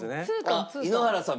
あっ井ノ原さん